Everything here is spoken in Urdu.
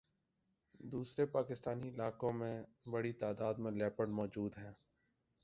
دوسرے پاکستانی علاقوں میں بڑی تعداد میں لیپرڈ موجود ہیں